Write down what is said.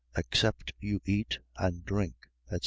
Except you eat and drink, etc.